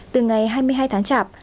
từ ngày hai mươi hai tháng chạp